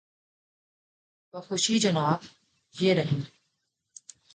بخوشی جناب، یہ رہی۔